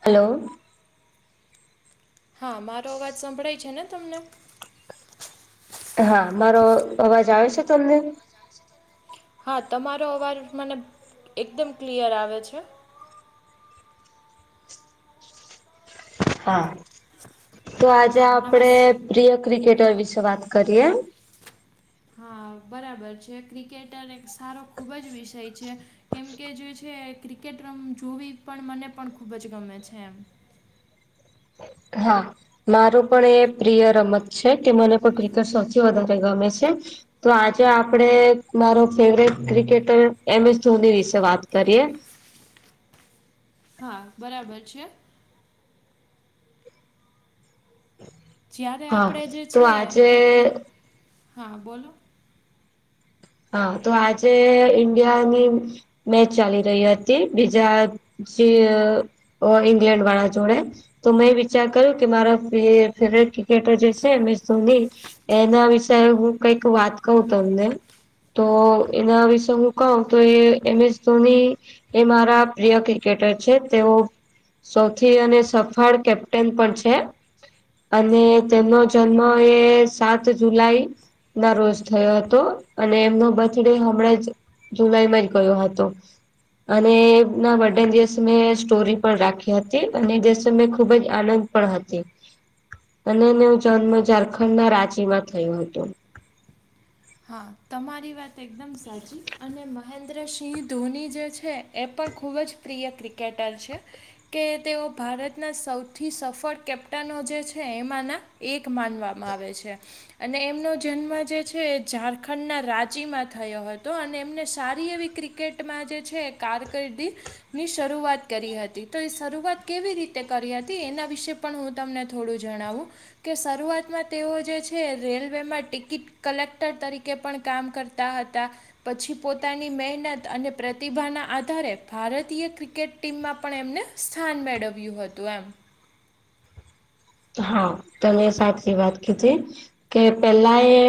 Hello હા મારો અવાજ સંભળાય છે. ને તમને- હા મારો અવાજ આવે છે તમને- હા તમારો અવાજ મને એકદમ ક્લિયર આવે છે. હા તો આજે હા આપડે નમસ પ્રિય ક્રિકેટર વિશે વાત કરીએ- હા બરાબર છે ક્રિકેટ એક સારો ખૂબ જ વિષય છે. કેમકે જે છે ક્રિકેટ રમ જોવી પણ મને પણ ખૂબ જ ગમે છે. એમ- હા- મારું પણ એ પ્રિય રમત છે કે મને પણ ક્રિકેટ સૌથી વધારે ગમે છે. તો આજે આપડે મારો favourite cricketer M S Dhoni વિશે વાત કરીએ- હા બરાબર છે. જ્યારે હા આપણે જે તો છે આજે એ એ હા બોલો? હા તો આજે ઈન્ડિયાની- મેચ ચાલી રહી હતી બીજા જે- ઓ ઇંગ્લેન્ડ વાળ જોડે- તો મેં વિચાર કર્યું કે મારા ફેવરેટ ક્રિકેટર જે છે. એમ એસ ધોની - એના વિશે હું કઈક વાત કવ તમને તો એના વિશે હું કઉ તો એ એમ એસ ધોની- એ મારા પ્રિય ક્રિકેટર છે તેઓ- સૌથી અને સફળ કેપ્ટન પણ છે. અને તેમનો જન્મ એ સાત જુલાઈ- નર્વર્સ થયો હતો- અને એમનો બર્થ ડે હમણાં જ જુલાઈમાં જ ગયો હતો. અને એ ના વર્ડન દિવસે મેં સ્ટોરી પણ રાખી હતી અને એ દિવસે મેં ખુબ જ આનંદ- પણ હતી- હ [inaudible] અને એનો જન્મ ઝારખંડ ના રાંચી માં થયો હતો- હા તમારી વાત એકદમ સાચી અને મહેન્દ્રસિંહ ધોની જે છે. એ પણ ખૂબ જ પ્રિય ક્રિકેટર છે. કે તેઓ ભારતના સૌથી સફળ કેપ્ટનો જે છે એમાંના- એક માનવામાં આવે છે અને એમનો જન્મ જે છે? ઝારખંડના રાંચીમાં થયો હતો અને એમને સારી એવી ક્રિકેટમાં જે છે કારકિર્દી- ની શરૂઆત કરી હતી તો એ શરૂઆત કેવી રીતે કરી હતી એના વિશે- પણ હું તમને થોડું જણાવું- કે શરૂઆતમાં તેઓ જે છે રેલવેમાં ટિકિટ કલેક્ટ- -ક્ટર તરીકે પણ કામ કરતા હતા. પછી પોતાની મહેનત અને પ્રતિભાના આધારે ભારતીય ક્રિકેટ- ટીમમાં પણ એમને સ્થાન મેળવ્યું હતું એમ- હા તમે સાચી વાત કીધી- કે પેલા એ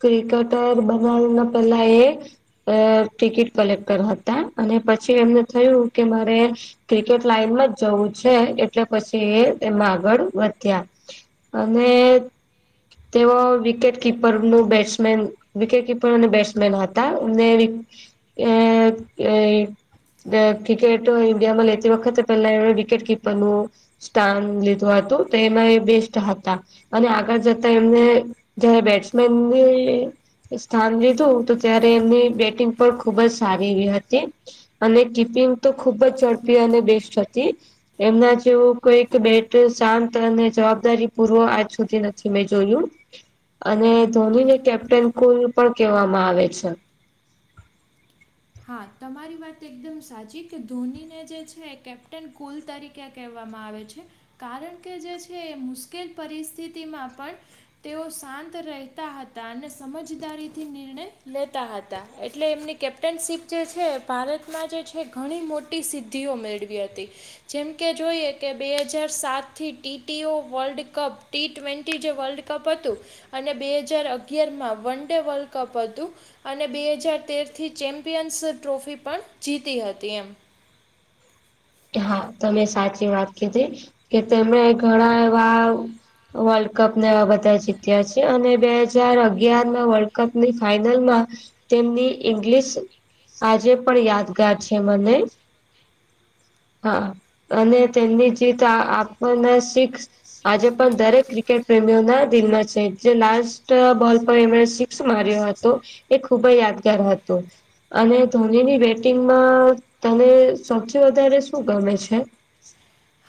ક્રિકેટર બનાવના પહેલા એ અ ટિકિટ કલેક્ટ કર હતા અને પછી એમને થયું કે મારે ક્રિકેટ લાઈનમાં જવું છે એટલે પછી એ એમાં આગળ વધ ત્યાં અને તેઓ વિકેટ કીપર નું બેટ્સમેન વિકેકી પણ બેટ્સમેન હતા અનેમને ક્રિકેટ ઇડિયામાં એતી વખત પહેલા એ વિકેટ કીપરનું સ્થાન લીધું હતું તો એમાં એ બેસ્ટ હતા અને આગળ જતા એમને જયારે બેટ્સમેનને સ્થાન લીધું તો ત્યારે એમની બેટિંગ પણ ખુબ જ સારી એવી હતી અને કિપિંગ તો ખુબ જ ઝડપી અને બેસ્ટ હતી એમના જેવું કોઈક બેટ શાંત તને જવાબદારી પૂર્વ આજ સુધી નથી મેં જોયું અને ધોનીને કેપ્ટન કોલ પણ કહેવામાં આવે છે હા તમારી વાત એકદમ સાચી કે ધોનીને જે છે કેપ્ટન કુલ તરીકે ક્યા કહેવામાં આવે છે કારણ કે જે છે એ મુશ્કેલ પરિસ્થિતિમાં પણ તેઓ શાંત રહેતા હતા અને સમજદારીથી નિર્ણય લેતા હતા એટલે એમની કેપ ટનશીપ જે છે ભારતમાં જે છે ઘણી મોટી સિદ્ધિઓ મેળવી હતી જેમકે જોઈએ કે બે હજાર સાત થી ટી ઓ વર્લ્ડ કપ ટી ટ્વેન્ટી જે વર્લ્ડ કપ હતું અને બે હજાર અગિયાર માં વન ડે વર્લ્ડ કપ હતું અને બે હજાર તેર થી ચેમ્પિયન્સ ટ્રોફી પણ જીતી હતી એમ હા તમે સાચી વાત કીધી કે તેમણે ઘણા એવા વર્લ્ડ કપ ને એવા બધા જીત્યા છે અને બે હજાર અગિયારમાં વર્લ્ડ કપની ફાઈનલ માં તેમની ઇંગ્લિશ આજે પણ યાદગાર છે મને હા અને તેની જીત આપણને શીખ્ આજે પણ દરેક ક્રિકેટ પ્રેમીઓ ના દિલમાં છે જે લાસ્ટ બોલ પર એમણે માર્યો હતો એ ખુબ જ યાદગાર હતો અને ધોનીની બેટિંગમાં તને સૌથી વધારે શું ગમે છે?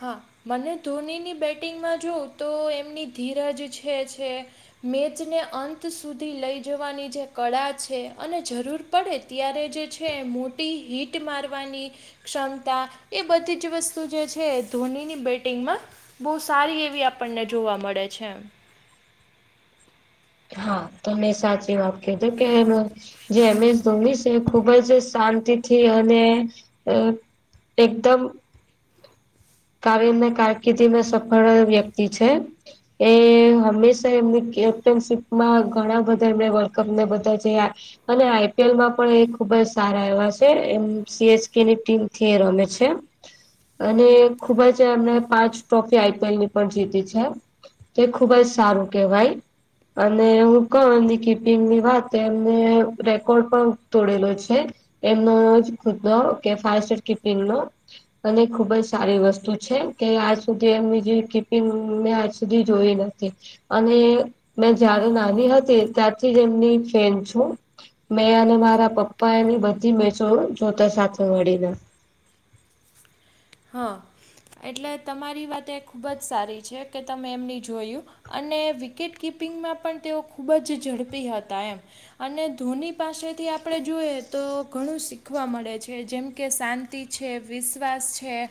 હા, મને ધોનીની બેટિંગમાં જોઉં તો એમની ધીરજ છે છે મેજને અંત સુધી લઈ જવાની જે કળા છે અને જરૂર પડે ત્યારે જે છે મોટી હીટ મારવાની ક્ષમતા એ બધી જ વસ્તુ જે છે ધોનીની બેટિંગમાં બહુ સારી એવી આપણને જોવા મળે છે હા તમે સાચી વાત કજો કે જે એમએસ ધમ છે ખુબ જ શાંતિથી અને એકદમ કાવ્ય ને કારકિર્દી મે સફળ વ્યક્તિ છે એ હંમેશા એમની કેપ્ટનશીપમાં ઘણા બધા એમને વર્લ્ડ કપને બધા જે આ અને આઈ પી એલ માં પણ એ ખુબ જ સારા એવા છે એમ સી એસ કે ની ટીમથી રમે છે. અને ખુબ જ એમને પાંચ ટ્રોફી આઈપીએલ ની પણ જીતી છે તે ખુબ જ સારું કેહેવાય અને હું કહું ની કીપિંગ ની વાત તો એમને રેકોર્ડ પણ તોડેલો છે. એમનો ખુદ ન કે ફાયર સ કપિંગ ન અને ખુબ જ સારી વસ્તુ છે કે આજ સુધી એમની જે કીપિંગને આજ સુધી જોઈ નથી અને મેં જારે નાની હતી ત્યારથી જ એમની ફેન છું મેં અને મારા પપ્પા એની બધી મેચો જોતા સાથે મળીને હા એટલે તમારી વાત એ ખુબ જ સારી છે કે તમે એમની જોયું અને વિકેટ કિપિંગમાં પણ તેઓ ખૂબ જ ઝડપી હતા એમ અને ધોની પાસેથી આપણે જોઈએ તો ઘણું શીખવા મળે છે જેમ કે શાંતિ છે. વિશ્વાસ છે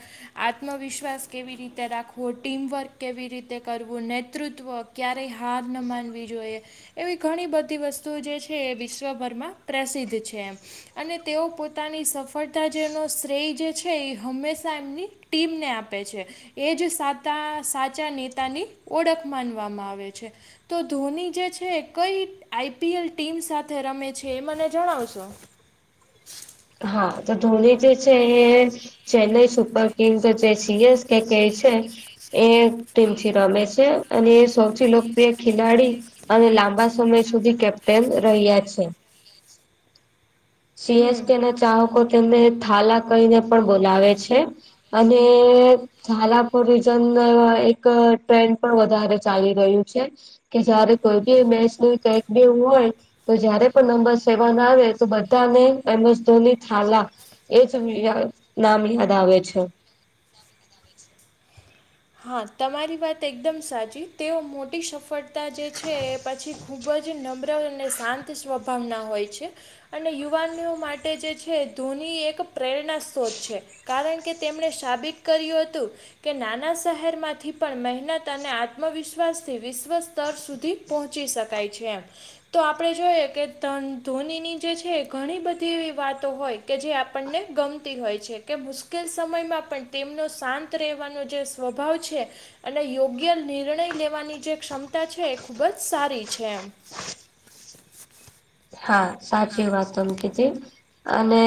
આત્મવિશ્વાસ કેવી રીતે રાખવો ટીમવર્ક કેવી રીતે કરવું નેતૃત્વ ક્યારેય હાર ન માનવી જોઈએ એવી ઘણી બધી વસ્તુ જે છે એ વિશ્વભરમાં પ્રસિદ્ધ છે એ અને તેઓ પોતાની સફળતા જેનો શ્રેય જે છે એ હંમેશા એમની ટીમને આપે છે એજ સાતા સાચા નેતાની ઓળખ માનવામાં આવે છે તો ધોની જે છે કઈ આઈપીએલ ટીમ સાથે રમે છે એ મને જણાવશો [inaudible] હા તો ધોની જે છે એ ચેન્નાઈ સુપર કમ કે જાય છી કે્યા કેહે છે એ ટીમથી રમે છે અને એ સૌથી લોકપ્રિય ખેલાડી અને લાંબા સમય સુધી કેપ્ટન રહ્યા છે [inaudible] હમ સીએસકે ના ચાહકો તેમને થાલા કહીને પણ બોલાવે છે અને ઝાલાપુર રીઝન એક ટ્રેન્ડ પણ વધારે ચાલી રહ્યું છે કે જયારે કોઈ બી મેચ ન કઈક બી એવું હોય તો જયારે પણ નંબર સેવન આવે તો બધાને એમજ ધોની થાલા એ જ નામ યાદ આવે છે હા તમારી વાત એકદમ સાચી તેઓ મોટી સફર જે છે એ પછી ખૂબ જ નમ્ર અને શાંત સ્વભાવના હોય છે અને યુવાનોઓ માટે જે છે ધૂની એક પ્રેરણા સત્રોત છે કારણ કે તેમણે સાબિત કર્યું હતું કે નાના શહેરમાંથી પણ મહેનત અને આત્મવિશ્વાસથી વિશ્વ સ્તર સુધી પહોંચી શકાય છે એમ તો આપણે જોએ કે ધોનીની જે છે ઘણી બધી એવી વાતો હોય કે જે આપણને ગમતી હોય છે કે મુશ્કેલ સમયમાં પણ તેમનો શાંત રહેવાનો જે સ્વભાવ છે અને યોગ્ય નિર્ણય લેવાની જે ક્ષમતા છે એ ખૂબ જ સારી છે એમ હા સાચી વાત તમ કીધી અને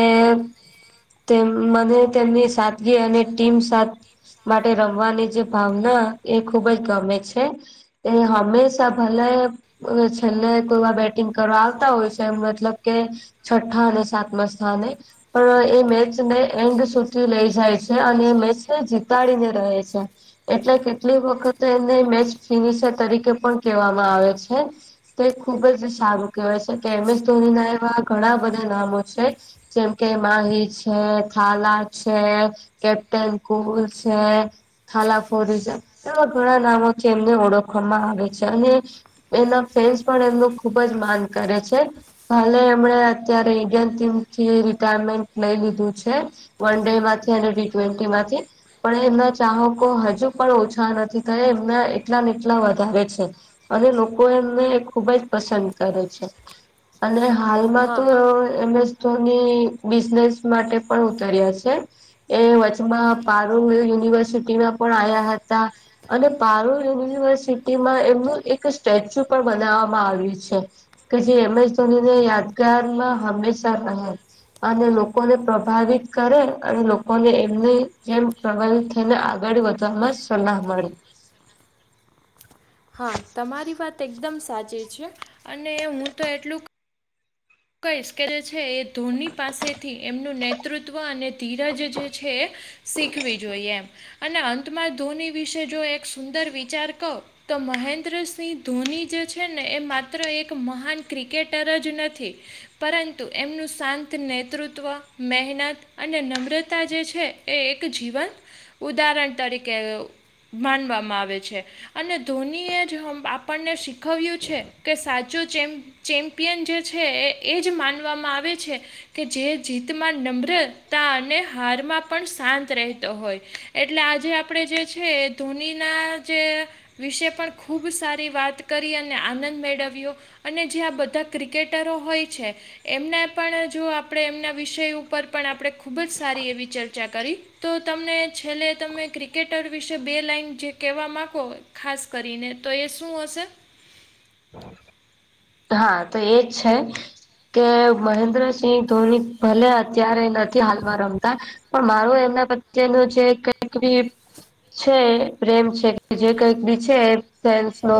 તેમ મને તેમની સાદગી અને ટીમ સા માટે રમવાની જે ભાવના એ ખુબ જ ગમે છે તે હમેશા ભલે છેલ્લે કોઈ વાર બેટિંગ કરવા આવતા હોય છે એમ મતલબ કે છઠ્ઠા અને સાતમા સ્થાને પણ એ મેચને એન્ડ સુધી લઈ જાય છે અને મેચને જીતાડીને રહે છે એટલે કેટલી વખતે એને મેચ ફિનિશર તરીકે પણ કેહેવામાં આવે છે તો એ ખુબ જ સારું કેહેવાય છે કે એમ એસ ધોની ના એવા ઘણા બધા નામો છે જેમ કે માહિ છે થાલા છે કેપ્ટન કુલ છે થાલા ફોર રીઝન એવા ઘણા નામોથી એમને ઓળખવામાં આવે છે અને એના ફેન્સ પણ એમનું ખુબ જ માન કરે છે ભાલે એમણે અત્યારે ઈન્ડિયન ટીમથી રિટાયરમેન્ટ લઈ લીધું છે વન ડે માંથી અને ટી ટ્વેન્ટી માંથી પણ એમના ચાહકો હજુ પણ ઓછા નથી થયા એમના એટલાને એટલા વધારે છે અને લોકો એમને ખુબ જ પસંદ કરે છે અને હાલમાં હા તો એમ એસ ધોની બી ઝનેસ માટે પણ ઉતર્યા છે એ વચમાં પારુલ યુનિવર્સિટીમાં પણ આવ્યા હતા અને પારૂલ યુનિવર્સિટીમાં એમનું એક સ્ટેચ્યુ પણ બનાવામાં આવ્યું છે કે જે એમએસ ધોનીને યાદગારમાં હંમેશા રહે. અને લોકોને પ્રભાવિત કરે અને લોકોને એમને જેમ પ્રભાવિત થઈને આગળ વધે [unintelligible] મળી. હા તમારી વાત એકદમ સાચી છે અને હું તો એટલુંક કહીશ કે જે છે એ ધોની પાસેથી એમનું નેતૃત્વ અને ધીરજ જે છે. શીખવી જોઈએ એમ અને અંતમાં ધોની વિશે જો એક સુંદર વિચાર કવ તો મહેન્દ્રસિંહ ધોની જે છે ને એ માત્ર એક મહાન ક્રિકેટર જ નથી. પરંતુ એમનું શાંત નેતૃત્વ મહેનત અને નમ્રતા જે છે. એ એક જીવંત ઉદાહરણ તરીકે માનવામાં આવે છે અને ધોનીએ જ આપણને શીખવ્યું છે કે સાચો ચેમ ચેમ્પિયન જે છે એ એ જ માનવામાં આવે છે કે જે જીતમાં નમ્રતા અને હારમાં પણ શાંત રહેતો હોય એટલે આજે આપણે જે છે ધોનીના જે વિશે પણ ખૂબ સારી વાત કરી અને આનંદ મેળવ્યો. અને જે આ બધા ક્રિકેટરો હોય છે. એમના પણ જો આપણે એમના વિષય ઉપર પણ આપણે ખૂબ જ સારી એવી ચર્ચા કરી તો તમને છેલ્લે તમે ક્રિકેટર વિશે બે લાઇન જે કહેવા માગો ખાસ કરીને તો એ શું હશે? હા તો એજ છે કે મહેન્દ્રસિંહ ધોની ભલે અત્યારે નથી હાલમાં રમતા પણ મારું એમના [unintelligible] છે પ્રેમ છે જે કઈક બી છે ફેન્સ નો.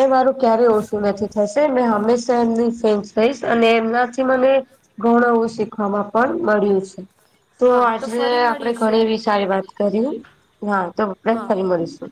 એ મારું ક્યારેય ઓછું નથી થશે. મેં હંમેશા એમની ફ્રેન્ રહીશ અને એમનાથી મને ઘણુંવું શીખવામાં પણ મળ્યું છે. તો હા આજે ફરી આપડે મળીશું ઘણીવી સારી વાત કરી. હા તો આપપડ જ હા ફલી મળીશું